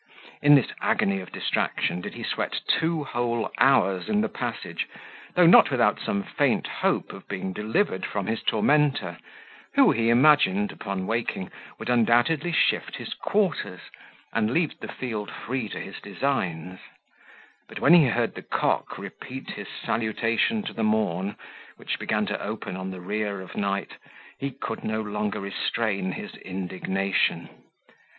In this agony of distraction did he sweat two whole hours in the passage, though not without some faint hope of being delivered from his tormentor, who, he imagined, upon waking, would undoubtedly shift his quarters, and leave the field free to his designs; but when he heard the cock repeat his salutation to the morn, which began to open on the rear of night, he could no longer restrain his indignation.